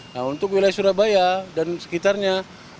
nah untuk wilayah surabaya dan sekitarnya